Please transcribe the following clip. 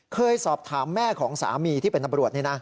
เคยสอบถามแม่ของสามีที่เป็นตำรวจนี่นะ